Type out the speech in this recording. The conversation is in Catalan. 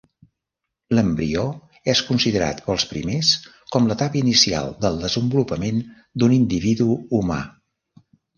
L'embrió és considerat pels primers com l'etapa inicial del desenvolupament d'un individu humà.